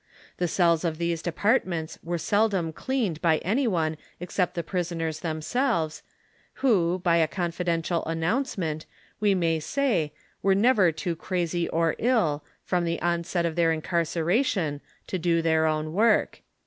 The cells of tliese depart ments were seldom cleaned by imy one except tlie prisoners tliemselves ; who, by a confidential announcement, we may say, were never too crazy or ill, from the onset of their in carceration, to do their own work.